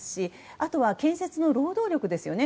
あとは建設の労働力ですよね。